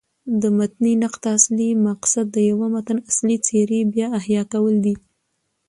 د متني نقد اصلي مقصد د یوه متن اصلي څېرې بيا احیا کول دي.